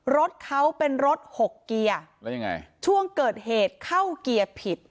รถเขาเป็นรถหกเกียร์แล้วยังไงช่วงเกิดเหตุเข้าเกียร์ผิด